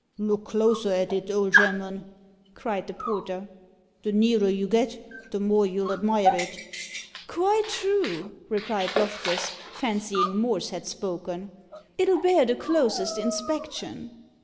"Look closer at it, old gem'man," cried the porter. "The nearer you get, the more you'll admire it." "Quite true," replied Loftus, fancying Morse had spoken; "it'll bear the closest inspection."